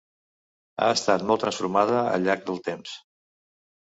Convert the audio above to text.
Ha estat molt transformada al llarg del temps.